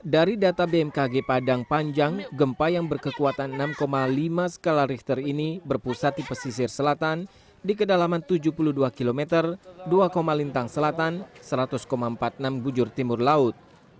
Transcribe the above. dari data bmkg padang panjang gempa yang berkekuatan enam lima skala richter ini berpusat di pesisir selatan di kedalaman tujuh puluh dua km dua lintang selatan seratus empat puluh enam bujur timur laut